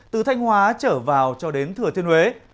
từ thanh hóa trở vào cho đến thừa thiên huế